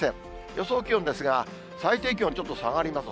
予想気温ですが、最低気温、ちょっと下がります。